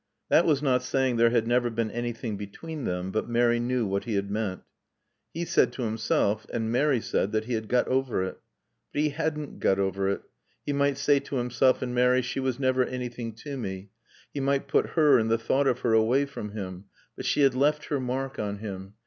That was not saying there had never been anything between them, but Mary knew what he had meant. He said to himself, and Mary said that he had got over it. But he hadn't got over it. He might say to himself and Mary, "She was never anything to me"; he might put her and the thought of her away from him, but she had left her mark on him.